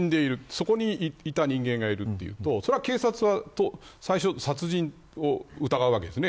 そこにいた人間がいるというと警察は最初殺人を疑うわけです。